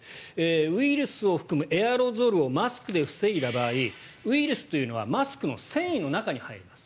ウイルスを含むエアロゾルをマスクで防いだ場合ウイルスはマスクの繊維の中に入ります。